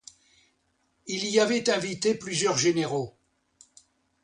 Il y avait invité plusieurs généraux.